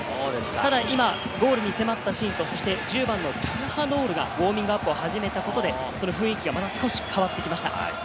ただ、今ゴールに迫ったシーンと、１０番のチャルハノールがウオーミングアップを始めたところで雰囲気が変わってきました。